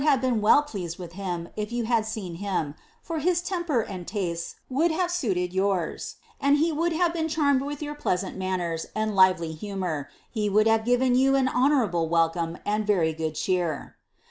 155 voald hmre been well pleased with him, if you had seen him, for his temper and tastes would have suited yours, and he would have been fhtrmed with your pleasant manners, and lively humour; he would hire ^iven you an honourable welcome, and very good cheer."